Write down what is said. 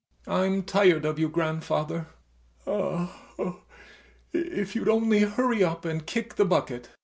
YASHA. I'm tired of you, grandfather. If you'd only hurry up and kick the bucket.